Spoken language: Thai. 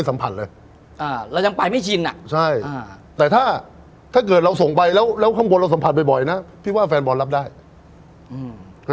สัมผัสเลยอ่าเรายังไปไม่ชินอ่ะใช่อ่าแต่ถ้าถ้าเกิดเราส่งไปแล้วแล้วข้างบนเราสัมผัสบ่อยบ่อยนะพี่ว่าแฟนบอลรับได้อืม